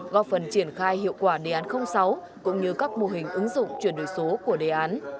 góp phần triển khai hiệu quả đề án sáu cũng như các mô hình ứng dụng chuyển đổi số của đề án